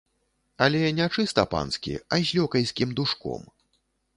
Але не чыста панскі, а з лёкайскім душком.